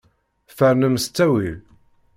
Fernem s ttawil.